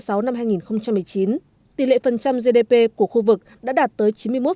từ tháng sáu năm hai nghìn một mươi chín tỷ lệ phần trăm gdp của khu vực đã đạt tới chín mươi một một